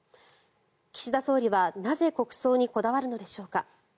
岸田総理はなぜ国葬にこだわるのでしょうか。